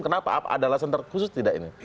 kenapa ada alasan terkhusus tidak ini